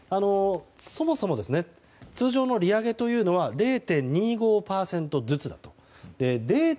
そもそも、通常の利上げは０．２５％ずつだと。